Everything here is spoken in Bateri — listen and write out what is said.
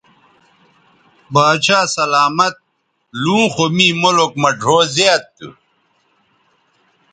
باچھا سلامت لوں خو می ملک مہ ڙھؤ زیات تھو